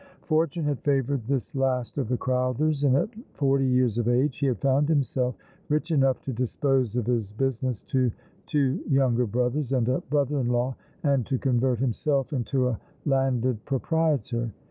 Fortune had favoured this last of the Crowthers, and, at forty years of age, he had found himself rich enough to dispose of his business to two younger brothers and a brother in law, and to convert himself into a landed pro prietor.